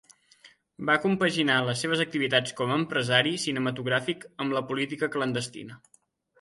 Va compaginar les seves activitats com a empresari cinematogràfic amb la política clandestina.